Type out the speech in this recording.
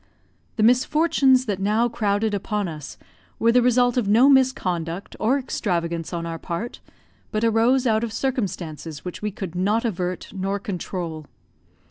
The misfortunes that now crowded upon us were the result of no misconduct or extravagance on our part, but arose out of circumstances which we could not avert nor control.